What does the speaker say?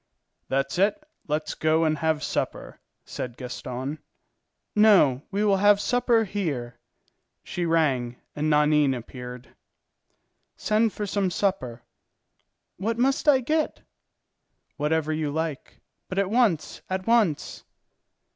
"That's it, let's go and have supper," said Gaston. "No, we will have supper here." She rang, and Nanine appeared. "Send for some supper." "What must I get?" "Whatever you like, but at once, at once."